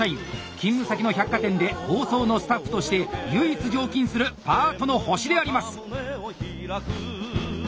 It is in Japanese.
勤務先の百貨店で包装のスタッフとして唯一常勤する「パートの星」であります。